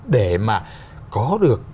để mà có được